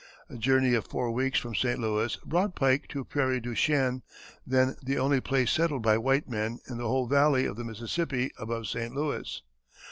A journey of four weeks from St. Louis brought Pike to Prairie du Chien, then the only place settled by white men in the whole valley of the Mississippi above St. Louis.